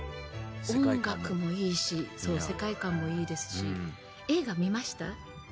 音楽もいいし世界感もいいですし見ました。